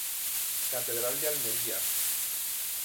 Catedral de Almería.